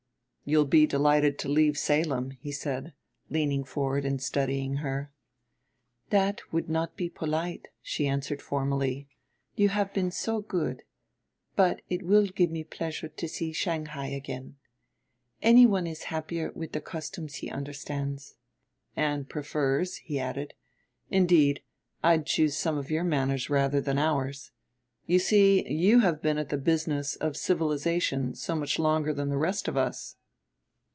"You'll be delighted to leave Salem," he said, leaning forward and studying her. "That would not be polite," she answered formally. "You have been so good. But it will give me pleasure to see Shanghai again. Anyone is happier with customs he understands." "And prefers," he added. "Indeed, I'd choose some of your manners rather than ours. You see, you have been at the business of civilization so much longer than the rest of us."